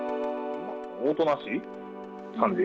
おとなしい感じ。